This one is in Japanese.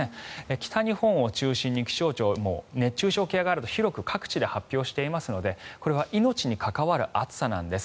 北日本を中心に気象庁は熱中症警戒アラートを広く各地で発表していますのでこれは命に関わる暑さなんです。